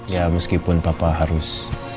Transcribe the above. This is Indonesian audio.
ya meskipun papa harus